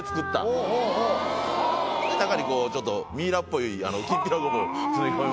で中にこうちょっとミイラっぽいきんぴらごぼう詰め込みましてね。